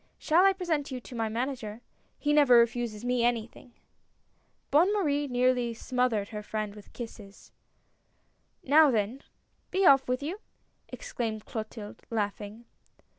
Shall I present you to my Manager. He never refuses me anything !" Bonne Marie nearly smothered her friend with kisses. "Now then, be off with you!" exclaimed Clotilde, laughing.